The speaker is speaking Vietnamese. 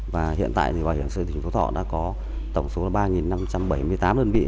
và hiện tại thì bảo hiểm xã hội tỉnh phú thọ đã có tổng số ba năm trăm bảy mươi tám đơn vị